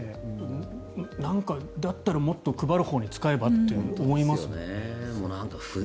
なんか、だったらもっと配るほうに使えばって思いますよね。